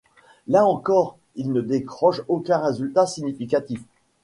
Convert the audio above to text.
Là encore, il ne décroche aucun résultat significatif.